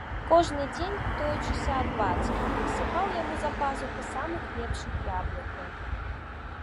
Кожны дзень, тоячыся ад бацькі, насыпаў яму за пазуху самых лепшых яблыкаў.